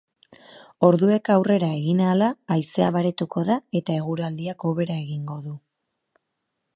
Orduek aurrera egin ahala, haizea baretuko da eta eguraldiak hobera egingo du.